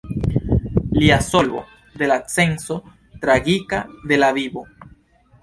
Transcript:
Lia solvo: "De la senco tragika de la vivo".